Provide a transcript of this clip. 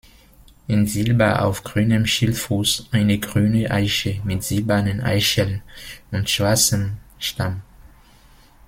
In Silber auf grünem Schildfuß eine grüne Eiche mit silbernen Eicheln und schwarzem Stamm.